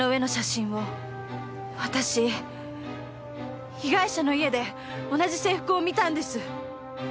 私被害者の家で同じ制服を見たんです。